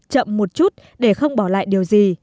chậm một chút để không bỏ lại điều gì